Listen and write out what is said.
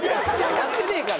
やってねえから。